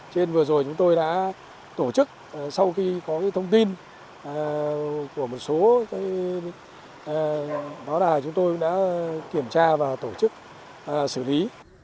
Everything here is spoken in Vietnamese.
trên vừa rồi chúng tôi đã tổ chức sau khi có thông tin của một số báo đài chúng tôi đã kiểm tra và tổ chức xử lý